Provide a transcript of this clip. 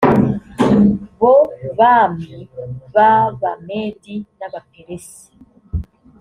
bo bami b abamedi n abaperesi